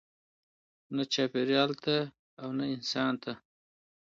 نه چاپیریال ته او نه انسان ته.